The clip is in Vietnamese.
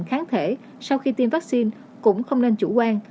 kháng thể sau khi tiêm vaccine cũng không nên chủ quan